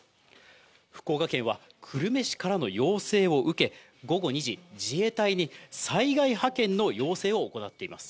福岡県は久留米市からの要請を受け、午後２時、自衛隊に災害派遣の要請を行っています。